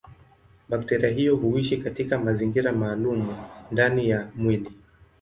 Bakteria hiyo huishi katika mazingira maalumu ndani ya mwili.